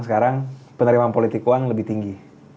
sekarang penerimaan politik uang lebih tinggi